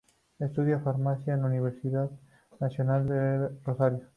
Estudia farmacia en la Universidad Nacional de Rosario.